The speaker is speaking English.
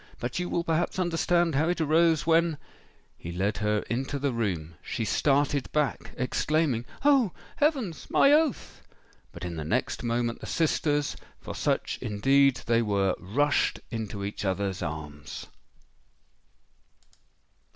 But you will perhaps understand how it arose, when——" He led her into the room:—she started back, exclaiming, "Oh! heavens—my oath!"—but in the next moment the sisters—for such indeed they were—rushed into each other's arms!